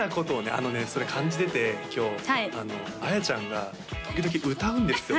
あのねそれ感じてて今日あの綾ちゃんが時々歌うんですよ